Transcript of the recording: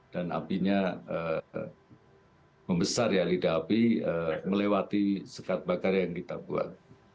dan apinya membesar ya lidah api melewati sekat bakar yang kita buat